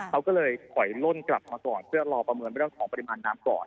เขาก็เลยถอยล่นกลับมาก่อนเพื่อรอประเมินเรื่องของปริมาณน้ำก่อน